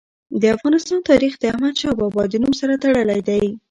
د افغانستان تاریخ د احمد شاه بابا د نوم سره تړلی دی.